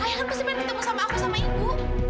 ayah kan pasti pengen ketemu sama aku sama ibu